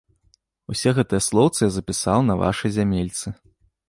Усе гэтыя слоўцы я запісаў на вашай зямельцы.